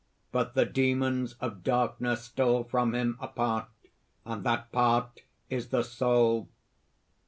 But the demons of darkness stole from him a part; and that part is the soul.